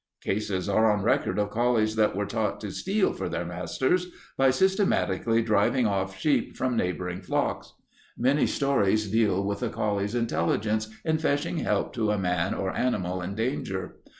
"Cases are on record of collies that were taught to steal for their masters, by systematically driving off sheep from neighboring flocks. Many stories deal with the collie's intelligence in fetching help to a man or animal in danger.